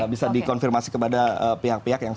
bisa dikonfirmasi kepada pihak pihak yang